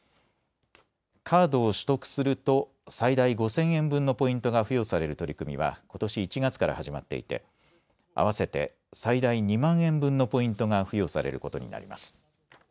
カードを取得すると最大５０００円分のポイントが付与される取り組みはことし１月から始まっていて合わせて最大２万円分のポイントが付与されることになります。